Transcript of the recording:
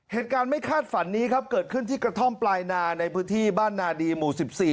เหตุการณ์ไม่คาดฝันนี้ครับเกิดขึ้นที่กระท่อมปลายนาในพื้นที่บ้านนาดีหมู่๑๔